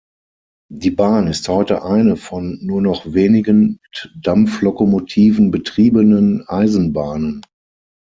Die Bahn ist heute eine von nur noch wenigen mit Dampflokomotiven betriebenen Eisenbahnen.